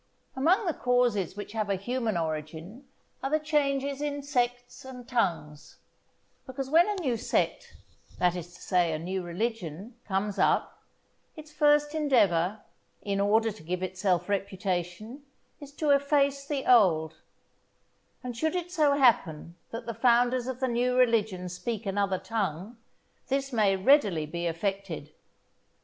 Among the causes which have a human origin are the changes in sects and tongues; because when a new sect, that is to say a new religion, comes up, its first endeavour, in order to give itself reputation, is to efface the old; and should it so happen that the founders of the new religion speak another tongue, this may readily be effected.